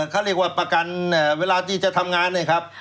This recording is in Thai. เขาเรียกว่าประกันเวลาที่จะทำงานเนี่ยครับ